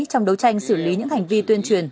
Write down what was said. trong đấu tranh xử lý những hành vi tuyên truyền